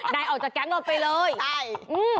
ได้ออกจากแก๊งออกไปเลยใช่